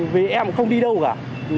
vì em không đi đâu cả